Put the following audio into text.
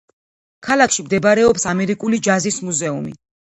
ქალაქში მდებარეობს ამერიკული ჯაზის მუზეუმი.